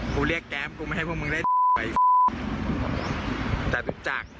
กูเรียกแก๊ปกูไม่ให้พวกมึงได้ไปแต่รู้จัก